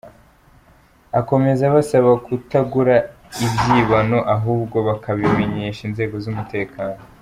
Akomeza abasaba kutagura ibyibano ahubwo bakabimenyesha inzego z’umutekano.